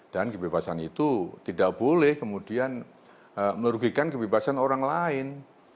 dan kebebasan itu tidak boleh kemudian merugikan kebebasan orang lain